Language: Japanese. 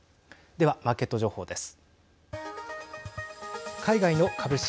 では、マーケット情報です。